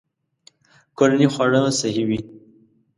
کورني خواړه صحي وي.